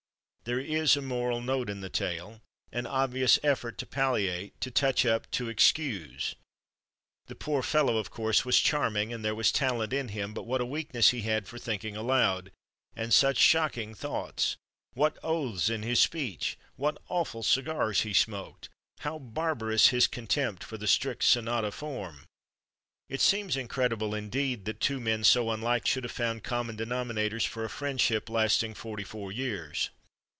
There is a moral note in the tale—an obvious effort to palliate, to touch up, to excuse. The poor fellow, of course, was charming, and there was talent in him, but what a weakness he had for thinking aloud—and such shocking thoughts! What oaths in his speech! What awful cigars he smoked! How barbarous his contempt for the strict sonata form! It seems incredible, indeed, that two men so unlike should have found common denominators for a friendship lasting forty four years.